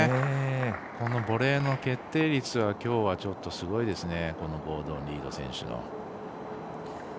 このボレーの決定率はきょうはちょっとすごいですねゴードン・リード選手の。